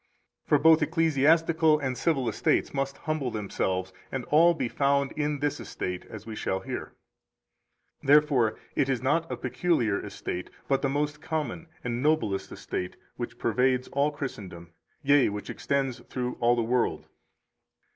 For both ecclesiastical and civil estates must humble themselves and all be found in this estate, as we shall hear. 210 Therefore it is not a peculiar estate, but the most common and noblest estate, which pervades all Christendom, yea which extends through all the world.